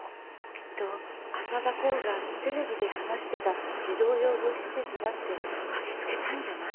きっと浅田航がテレビで話してた児童養護施設だって嗅ぎつけたんじゃない？